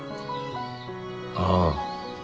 ああ。